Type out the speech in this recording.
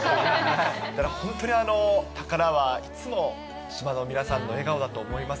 ただ、本当に宝はいつも島の皆さんの笑顔だと思います。